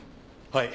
はい。